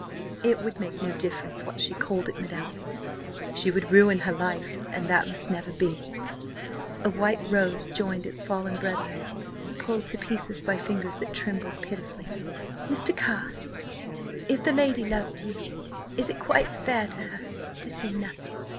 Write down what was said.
"It would make no difference what she called it, madam. She would ruin her life, and that must never be." A white rose joined its fallen brethren, pulled to pieces by fingers that trembled pitifully. "Mr. Carr, if the lady ... loved you ... is it quite fair to her–to say nothing?"